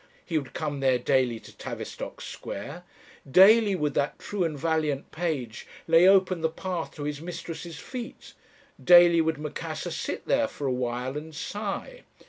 He would come there daily to Tavistock Square; daily would that true and valiant page lay open the path to his mistress's feet; daily would Macassar sit there for a while and sigh.